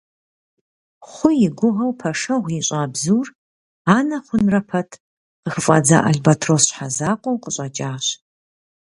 Хъу и гугъэу пэшэгъу ищӀа бзур, анэ хъунрэ пэт, къыхыфӀадза албэтрос щхьэзакъуэу къыщӀэкӀащ.